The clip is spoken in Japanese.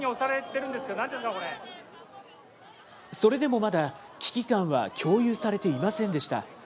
それでもまだ、危機感は共有されていませんでした。